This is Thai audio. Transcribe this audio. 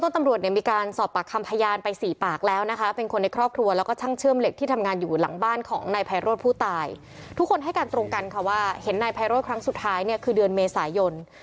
รถต้นตำรวจเนี้ยมีการสอบปากคำพยานไปสี่ปากแล้วนะคะเป็นคนในครอบครัวแล้วก็ช่างเชื่อมเหล็กที่ทำงานอยู่หลังบ้านของนายไพโรดผู้ตายทุกคนให้การตรงกันค่ะว่าเห็นนายไพโรดครั้งสุดท้ายเนี้ยคือเดือนเมษายน